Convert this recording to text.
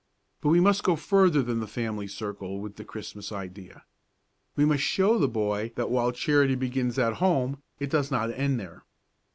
But we must go further than the family circle with the Christmas idea. We must show the boy that while charity begins at home, it does not end there.